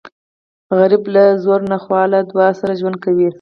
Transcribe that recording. غریب له زوره نه خو له دعا سره ژوند کوي